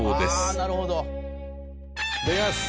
いただきます。